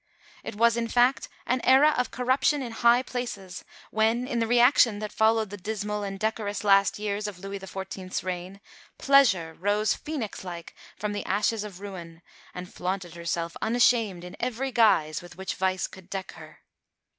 It was, in fact, an era of corruption in high places, when, in the reaction that followed the dismal and decorous last years of Louis XIV.'s reign, Pleasure rose phoenix like from the ashes of ruin and flaunted herself unashamed in every guise with which vice could deck her.